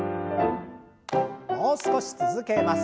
もう少し続けます。